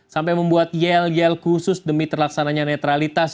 sampai membuat yel yel khusus demi terlaksananya netralitas